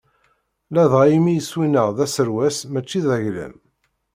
Ladɣa imi iswi-nneɣ d aserwes mačči d aglam.